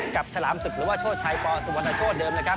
ฉลามศึกหรือว่าโชชัยปสุวรรณโชธเดิมนะครับ